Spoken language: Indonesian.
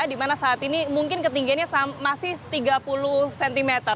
di mana saat ini mungkin ketinggiannya masih tiga puluh cm